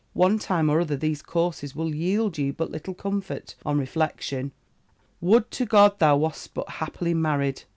One time or other these courses will yield you but little comfort, on reflection: would to God thou wast but happily married!'